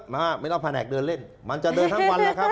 ไม่ต้องแผนกเดินเล่นมันจะเดินทั้งวันแล้วครับ